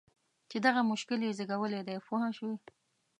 چې دغه مشکل یې زېږولی دی پوه شوې!.